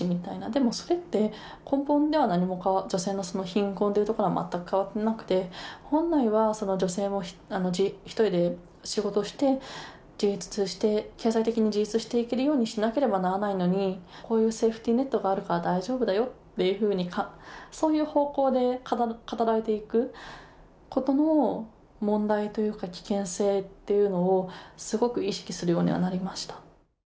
でもそれって根本では女性の貧困というところは全く変わってなくて本来は女性も一人で仕事して経済的に自立していけるようにしなければならないのにこういうセーフティーネットがあるから大丈夫だよっていうふうにそういう方向で語られていくことの問題というか危険性というのをすごく意識するようにはなりました。